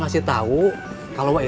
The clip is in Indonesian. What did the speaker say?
masih ada coba luangoll sih